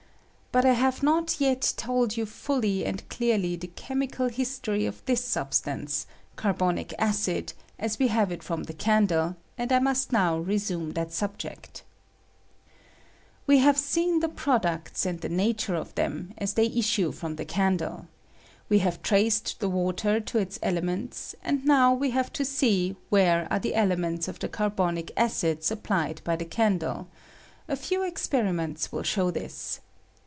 But I have not yet told you fuUy and clearly the chemical history of this substance, carbonic acid, as we have it from the candle, and I must now resume that subject. We have seen the products, and ■ CARBON IN CABBONIC ACID. 155 the nature of them, as they issue from the can dle. We have traced the water to its elements, and now we have to see where are the ele ments of the carbonic acid supplied by the can dle : a few experiments wiU show this.